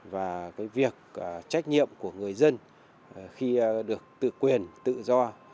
và cái việc trách nhiệm của người dân khi được tự quyền tự do